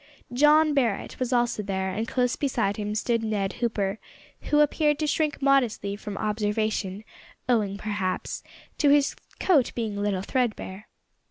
John Barret was also there, and, close beside him stood Ned Hooper, who appeared to shrink modestly from observation, owing, perhaps, to his coat being a little threadbare.